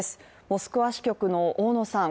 モスクワ支局の大野さん。